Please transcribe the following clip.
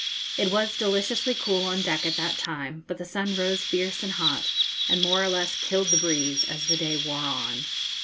It was deliciously cool on deck at that time; but the sun rose fierce and hot, and more or less killed the breeze as the day wore on.